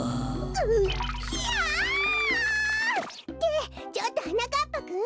うキャ！ってちょっとはなかっぱくん！